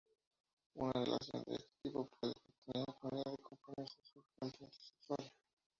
Una relación de este tipo puede tener intimidad y compromiso, sin componente sexual.